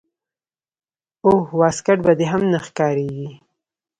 او واسکټ به دې هم نه ښکارېږي.